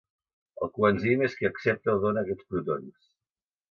El coenzim és qui accepta o dóna aquests protons.